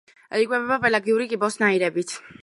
იკვებება პელაგიური კიბოსნაირებით.